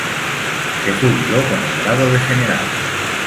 Se jubiló con el grado de general.